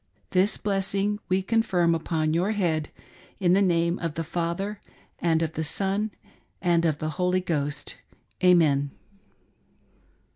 This blessing we confirm upon your head, in the name of the Father, and of the Son, and of the Holy Ghost. Amen."